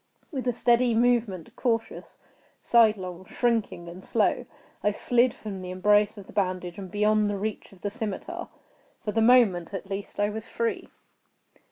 With a steady movement—cautious, sidelong, shrinking, and slow—I slid from the embrace of the bandage and beyond the reach of the scimitar. For the moment, at least, I was free.